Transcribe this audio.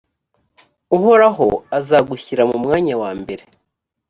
uhoraho azagushyira mu mwanya wa mbere,